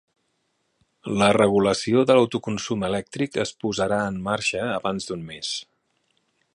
La regulació de l'autoconsum elèctric es posarà en marxa abans d'un mes